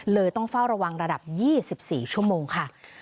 ต้องเฝ้าระวังระดับ๒๔ชั่วโมงค่ะ